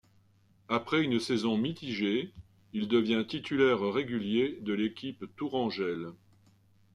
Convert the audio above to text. Après une saison mitigée, il devient titulaire régulier de l'équipe tourangelle.